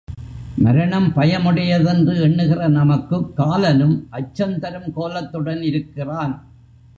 மரணம் பயமுடையதென்று எண்ணுகிற நமக்குக் காலனும் அச்சந்தரும் கோலத்துடன் இருக்கிறான்.